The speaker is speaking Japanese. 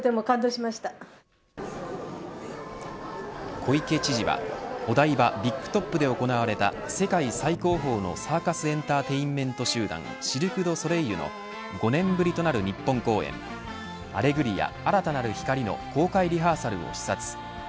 小池知事はお台場ビッグトップで行われた世界最高峰のサーカスエンターテインメント集団シルク・ドゥ・ソレイユの５年ぶりとなる日本公演アレグリア新たなる光の公開リハーサルを視察。